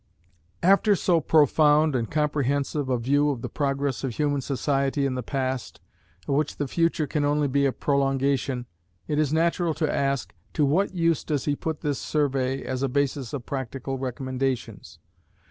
After so profound and comprehensive a view of the progress of human society in the past, of which the future can only be a prolongation, it is natural to ask, to what use does he put this survey as a basis of practical recommendations?